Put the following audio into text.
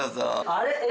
あれ？